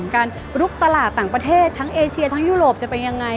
การลุกตลาดต่างประเทศทั้งเอเชียทั้งยุโรปจะเป็นยังไง